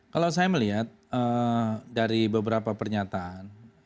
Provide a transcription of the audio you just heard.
kalau saya melihat dari beberapa pernyataan